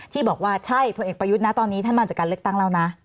ที่บอกว่าใช่พลเอกประยุทธ์นะตอนนี้ท่านมาจากการเลือกตั้งแล้วนะ